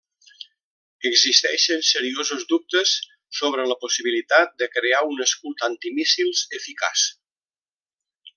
Existeixen seriosos dubtes sobre la possibilitat de crear un escut antimíssils eficaç.